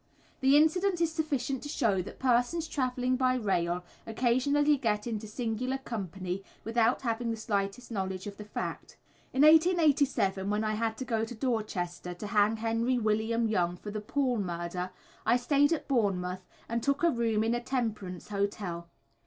The incident is sufficient to show that persons travelling by rail occasionally get into singular company without having the slightest knowledge of the fact. In 1887 when I had to go to Dorchester, to hang Henry William Young for the Poole murder, I stayed at Bournemouth, and took a room in a Temperance Hotel.